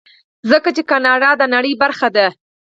ځکه چې کاناډا د نړۍ برخه ده.